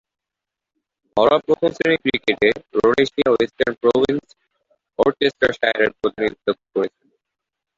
ঘরোয়া প্রথম-শ্রেণীর ক্রিকেটে রোডেশিয়া, ওয়েস্টার্ন প্রভিন্স, ওরচেস্টারশায়ারের প্রতিনিধিত্ব করেছেন।